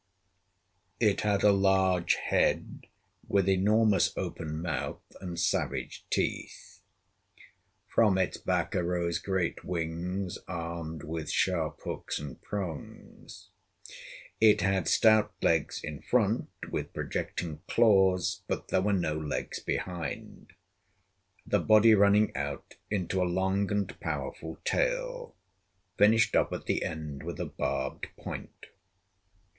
It had a large head, with enormous open mouth and savage teeth; from its back arose great wings, armed with sharp hooks and prongs; it had stout legs in front, with projecting claws; but there were no legs behind, the body running out into a long and powerful tail, finished off at the end with a barbed point.